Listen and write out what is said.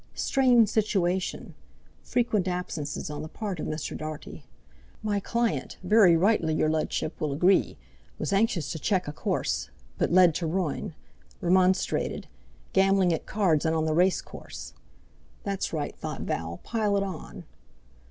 —"strained situation—frequent absences on the part of Mr. Dartie. My client, very rightly, your Ludship will agree, was anxious to check a course—but lead to ruin—remonstrated—gambling at cards and on the racecourse—" ("That's right!" thought Val, "pile it on!")